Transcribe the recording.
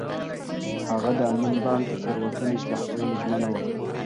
هغه د امین بانډ د تېروتنو اصلاح کولو ژمنه وکړه.